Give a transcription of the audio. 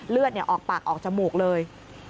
เลือดออกปากออกจมูกเลย